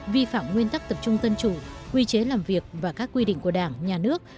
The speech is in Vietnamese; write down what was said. vi phạm nguyên tắc tập trung dân chủ quy chế làm việc và các quy định của đảng nhà nước